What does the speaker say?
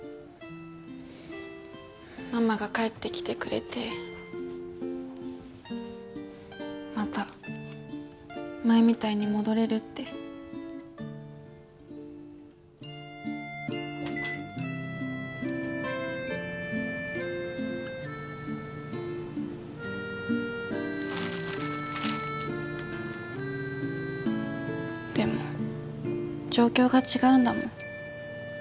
ママが帰ってきてくれてまた前みたいに戻れるってでも状況が違うんだもん